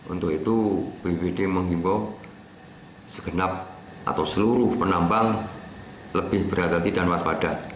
untuk itu bppd menghimbau segenap atau seluruh penambang lebih berhati hati dan waspada